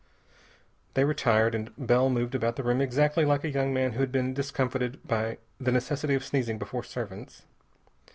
They retired, and Bell moved about the room exactly like a young man who has been discomfited by the necessity of sneezing before servants.